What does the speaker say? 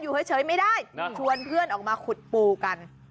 อยู่เฉยไม่ได้ชวนเพื่อนออกมาขุดปูกัน